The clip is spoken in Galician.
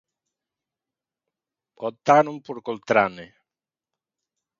Optaron por Coltrane.